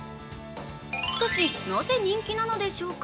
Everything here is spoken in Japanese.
しかし、なぜ人気なのでしょうか？